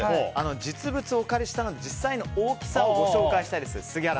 実物をお借りしたので実際の大きさをご紹介したいです。